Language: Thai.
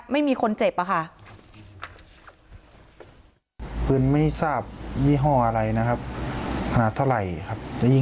ไม่มีคนเจ็บอะค่ะ